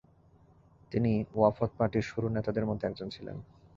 তিনি ওয়াফদ পার্টির শুরুর নেতাদের মধ্যে একজন ছিলেন।